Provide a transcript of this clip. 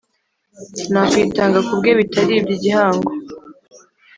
nakwitanga kubwe bitaribyo igihango